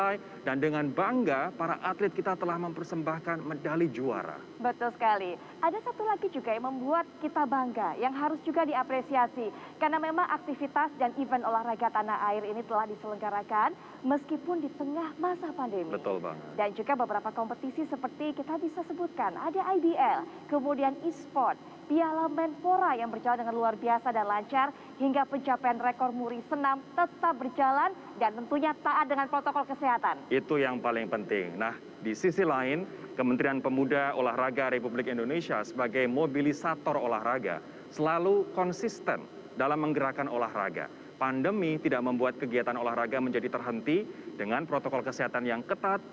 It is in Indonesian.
yang di atas ini yang warnanya merah menyala merah apinya semangat